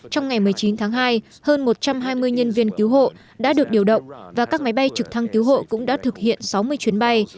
trong ngày một mươi chín tháng hai hơn một trăm hai mươi nhân viên cứu hộ đã được điều động và các máy bay trực thăng cứu hộ cũng đã thực hiện sáu mươi chuyến bay